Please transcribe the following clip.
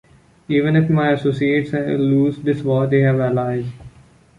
Even if my associates lose this war, they have allies!